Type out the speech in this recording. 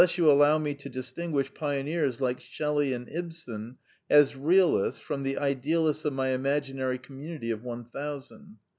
Ideals and Idealists 29 allow me to distinguish pioneers like Shelley and Ibsen as realists from the idealists of my imagi nary community of one thousand.